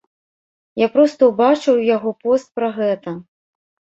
Я проста ўбачыў яго пост пра гэта.